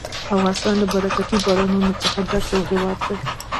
افغانستان له برکتي بارانونو څخه ډک یو هېواد دی.